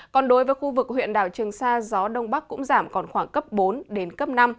còn đối với khu vực huyện đảo trường sa gió đông bắc cũng giảm còn khoảng cấp bốn đến cấp năm